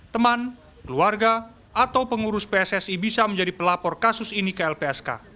teman keluarga atau pengurus pssi bisa menjadi pelapor kasus ini ke lpsk